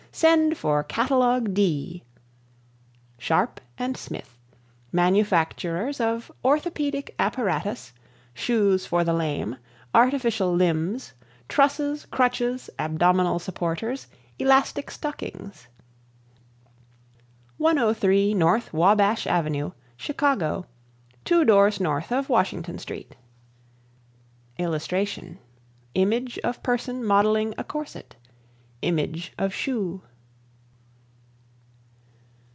Send for catalog "D." SHARP & SMITH Manufacturers of Orthopedic Apparatus. Shoes for the Lame, Artificial Limbs. Trusses, Crutches, Abdominal Supporters, Elastic Stockings. 103 N. Wabash Ave., Chicago Two Doors North of Washington Street [Illustration: Image of person modeling a corset. Image of shoe.